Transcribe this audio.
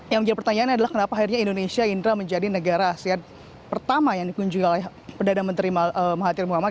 yang menjadi pertanyaan adalah kenapa akhirnya indonesia indra menjadi negara asean pertama yang dikunjungi oleh perdana menteri mahathir muhammad